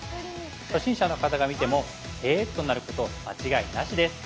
初心者の方が見ても「へえ」となること間違いなしです。